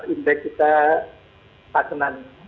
indeks kita tak senang